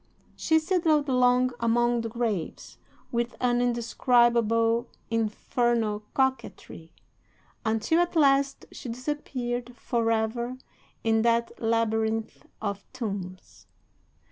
She sidled along among the graves with an indescribable, infernal coquetry, until at last she disappeared for ever in that labyrinth of tombs.